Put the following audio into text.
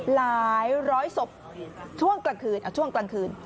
หลายร้อยศพช่วงกลางคืน